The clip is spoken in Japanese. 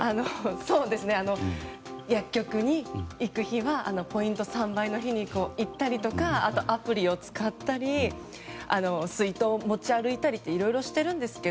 薬局に行く日はポイント３倍の日に行ったりとかあと、アプリを使ったり水筒を持ち歩いたりといろいろ、しているんですが